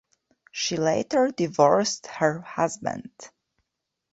She later divorced her husband.